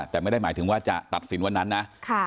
แต่ไม่ได้หมายถึงว่าจะตัดสินวันนั้นนะ